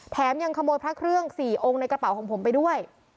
ยังขโมยพระเครื่อง๔องค์ในกระเป๋าของผมไปด้วย